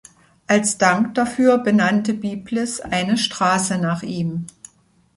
Als Dank dafür benannte Biblis eine Straße nach ihm.